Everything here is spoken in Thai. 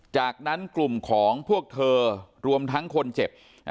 จากนั้นกลุ่มของพวกเธอรวมทั้งคนเจ็บ